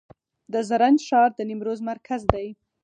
د زرنج ښار د نیمروز مرکز دی